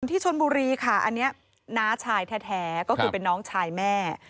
ที่ชนบุรีค่ะอันนี้น้าชายแท้ก็คือเป็นน้องชายแม่